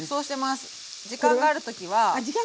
あっ時間がある時はね。